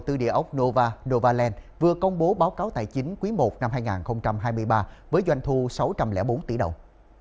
tư địa ốc nova novaland vừa công bố báo cáo tài chính quý i năm hai nghìn hai mươi ba với doanh thu sáu trăm linh bốn tỷ đồng